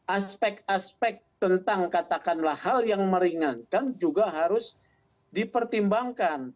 aspek aspek tentang katakanlah hal yang meringankan juga harus dipertimbangkan